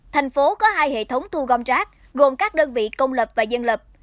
thành phố có hai hệ thống thu gom rác gồm các đơn vị công lập và dân lập